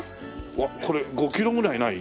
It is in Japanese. わっこれ５キロぐらいない？